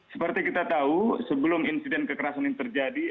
seperti kita tahu sebelum insiden kekerasan ini terjadi